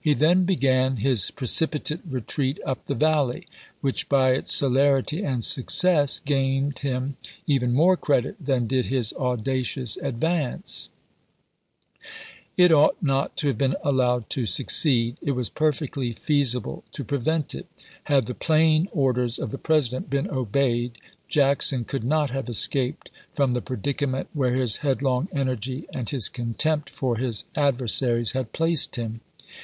He then began his precijjitate retreat up the Valley, which by its celerity and success gained him even more credit than did his audacious advance. "stonewall" JACKSON'S VALLEY CAMPAIGN 405 It ought not to have been allowed to succeed ; it ch. xxii. was perfectly feasible to prevent it. Had the plain orders of the President been obeyed, Jackson could not have escaped from the predicament where his headlong energy and his contempt for his adver saries had placed him.